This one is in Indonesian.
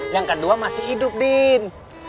yang kedua masih hidup bin